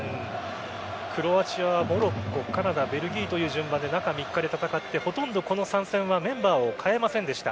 クロアチアはモロッコカナダ、ベルギーという順番で中３日で戦ってほとんどこの３戦はメンバーを代えませんでした。